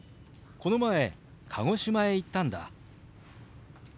この前鹿児島へ行ったんだ。